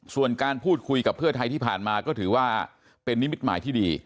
ส่วนการพูดคุยกับเพื่อไทยที่ผ่านมาก็ถือว่าเป็นนิมิตหมายที่ดี